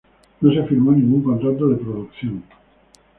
No se firmó ningún contrato de producción.